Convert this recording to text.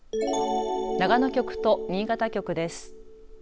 長野局と新潟局です。